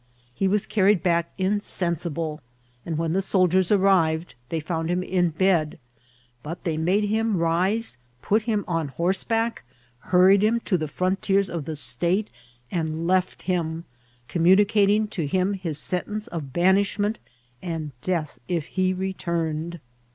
He was carried back insensible^ and when the soldiers arrived they found him in bed ; but they made him rise, put him on horsebeck, hurried him to the frontiers of the state, and left him, c<xnmu« nicating to him his sentence of banishment, and death if he returned.